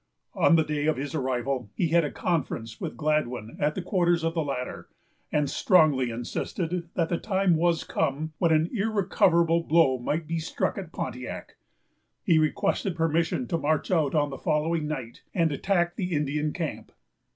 On the day of his arrival, he had a conference with Gladwyn, at the quarters of the latter, and strongly insisted that the time was come when an irrecoverable blow might be struck at Pontiac. He requested permission to march out on the following night, and attack the Indian camp.